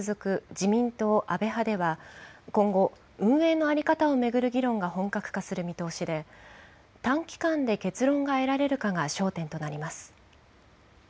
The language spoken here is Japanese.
自民党安倍派では、今後、運営の在り方を巡る議論が本格化する見通しで、短期間で結論が得られるかが焦点となります。